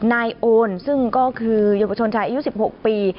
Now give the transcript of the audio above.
นายโอนซึ่งก็คือเยาวชนชายอายุ๑๖ปี